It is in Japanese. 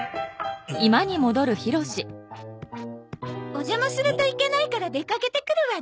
お邪魔するといけないから出かけてくるわね。